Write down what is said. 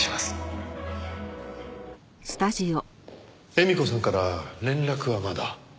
絵美子さんから連絡はまだ？